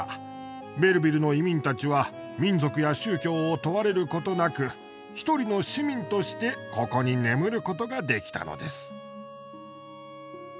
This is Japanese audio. ベルヴィルの移民たちは民族や宗教を問われることなく一人の市民としてここに眠ることができたのです。